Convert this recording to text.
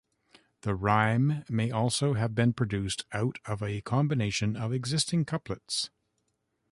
The rhyme may also have been produced out of a combination of existing couplets.